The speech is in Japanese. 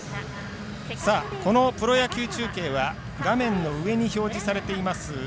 このプロ野球中継は画面の上に表示されています